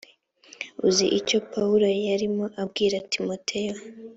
uzi icyo pawulo yarimo abwira timoteyo